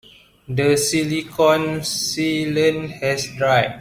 The silicon sealant has dried.